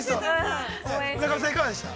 ◆村上さん、いかがでした？